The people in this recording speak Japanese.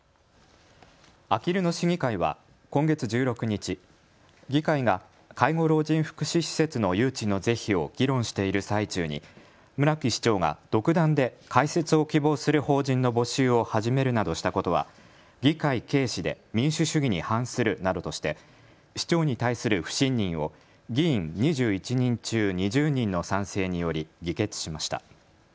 あきる野市議会は今月１６日、議会が介護老人福祉施設の誘致の是非を議論している最中に村木市長が独断で開設を希望する法人の募集を始めるなどしたことは議会軽視で民主主義に反するなどとして市長に対する不信任を議員２１人中２０人の賛成により議決しました。